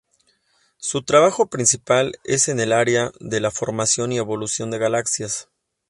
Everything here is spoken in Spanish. Su trabajo principal es en el área de la formación y evolución de galaxias.